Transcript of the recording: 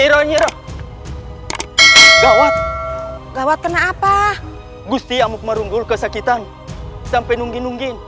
nyirah nyirah gawat gawat kena apa gusti amuk marunggul kesakitan sampai nungging nungging